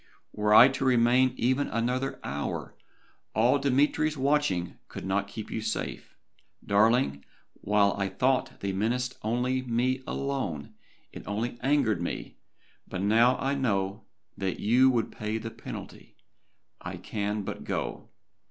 Were I to remain even another hour, all Dmitry's watching could not keep you safe. Darling, while I thought they menaced me alone, it only angered me, but now I know that you would pay the penalty, I can but go.